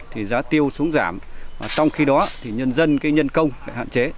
thì giá tiêu xuống giảm trong khi đó thì nhân dân nhân công hạn chế